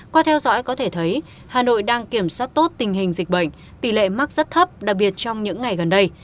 qua theo dõi có thể thấy hà nội đang kiểm soát tốt tình hình dịch bệnh tỷ lệ mắc rất thấp đặc biệt trong những ngày gần đây